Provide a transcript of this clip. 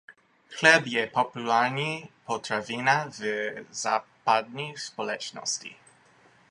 Chléb je populární potravina v západní společnosti.